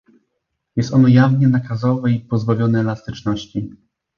Jest ono jawnie nakazowe i pozbawione elastyczności